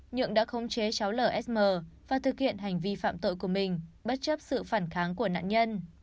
nhượng đã khống chế cháu lsm và thực hiện hành vi phạm tội của mình bất chấp sự phản kháng của nạn nhân